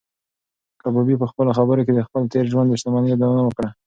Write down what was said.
کبابي په خپلو خبرو کې د خپل تېر ژوند د شتمنۍ یادونه وکړه.